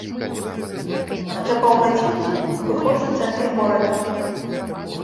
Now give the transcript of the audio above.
За паўгадзіны абыходжу цэнтр горада.